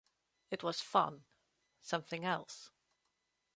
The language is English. It was fun, something else.